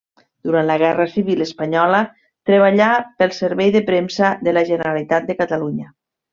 Durant la guerra civil espanyola treballà pel servei de premsa de la Generalitat de Catalunya.